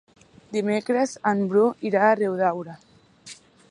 Dimecres en Bru irà a Riudaura.